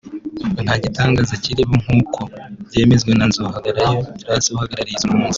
ngo nta gitangaza kirimo nk’uko byemezwa na Nzohabanayo Terrance uhagarariye izo mpunzi